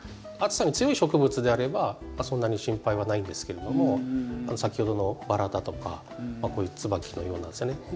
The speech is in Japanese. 暑さに強い植物であればそんなに心配はないんですけれども先ほどのバラだとかこういうツバキのようなですね